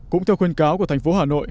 cũng theo khuyên cáo của thành phố hà nội